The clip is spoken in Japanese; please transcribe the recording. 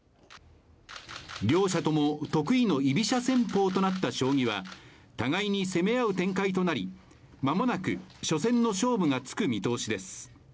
両者とも得意の居飛車戦法となった将棋は互いに攻め合う展開となり、間もなく初戦の勝負がつく見通しです。